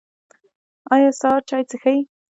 ایا سهار چای څښئ؟